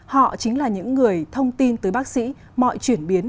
họ chính là những người thông tin tới bác sĩ mọi chuyển biến